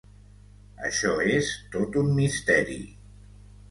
Això és tot un misteri!